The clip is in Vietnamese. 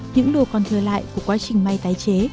những đồ còn thừa lại của quá trình may tái chế